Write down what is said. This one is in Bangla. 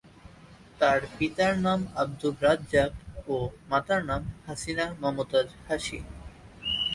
তার পিতার নাম আব্দুর রাজ্জাক ও মাতার নাম হাসিনা মমতাজ হাসি।